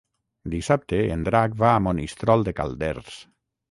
Dissabte en Drac va a Monistrol de Calders.